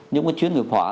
nhưng mà chuyên nghiệp họa